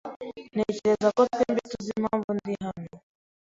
Ntekereza ko twembi tuzi impamvu ndi hano.